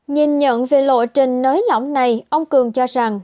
nhìn nhận về lộ trình nới lỏng này ông cường cho rằng